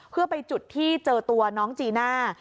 เพื่อไปจุดที่เจอตัวน้องจีน่า